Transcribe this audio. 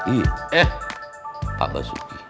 iya eh pak basuki